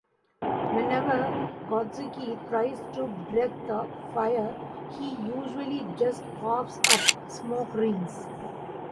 Whenever Godzooky tries to breathe fire, he usually just coughs up smoke rings.